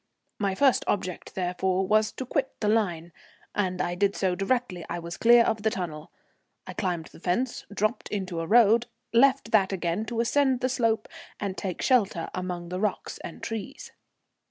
My first object, therefore, was to quit the line, and I did so directly I was clear of the tunnel. I climbed the fence, dropped into a road, left that again to ascend the slope and take shelter among the rocks and trees.